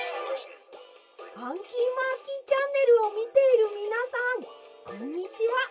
「『ファンキーマーキーチャンネル』をみているみなさんこんにちは！